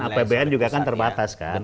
apbn juga kan terbatas kan